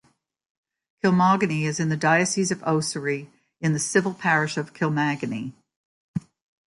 Kilmoganny is in the Diocese of Ossory, in the civil parish of Kilmaganny.